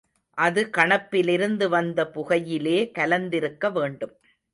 அது கணப்பிலிருந்து வந்த புகையிலே கலந்திருக்க வேண்டும்.